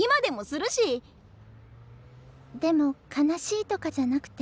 でも悲しいとかじゃなくて。